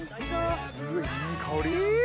いい香り！